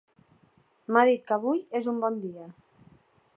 M'ha dit que avui és un bon dia.